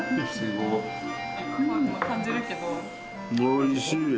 おいしい。